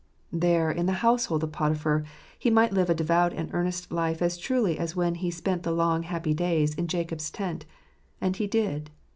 There, in the household of Poti phar, he might live a devout and earnest life as truly as when he spent the long, happy days in Jacob's tent : and he did.